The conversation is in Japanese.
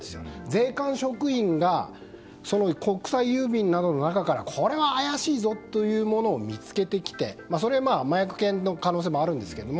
税関職員が国際郵便などの中からこれは怪しいぞというものを見つけてきてそれは麻薬犬の可能性もあるんですけど。